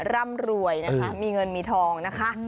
ร่ำรวยนะคะมีเงินมีทองนะคะ